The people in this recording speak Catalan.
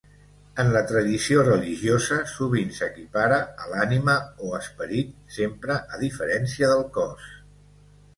En la tradició religiosa, sovint s'equipara a l'ànima o esperit, sempre a diferència del cos.